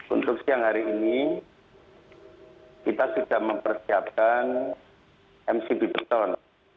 untuk siang hari ini kita sudah mempersiapkan mcb beton